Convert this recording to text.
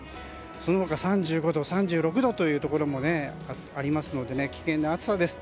その他、３５度、３６度というところもありますので危険な暑さです。